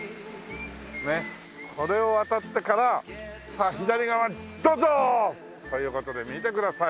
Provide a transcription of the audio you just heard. ねっこれを渡ってからさあ左側にどうぞ！という事で見てください